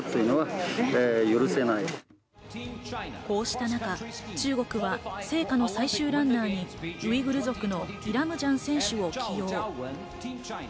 こうした中、中国は聖火の最終ランナーにウイグル族のイラムジャン選手を起用。